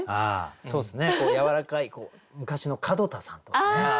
そうですねやわらかい昔の門田さんとかね。